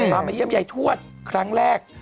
มาเยี่ยมยายทวดครั้งแรก